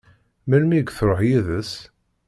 Melmi i tṛuḥ yid-s?